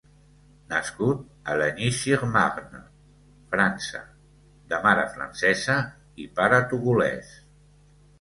Nascut a Lagny-sur-Marne, França de mare francesa i pare togolès.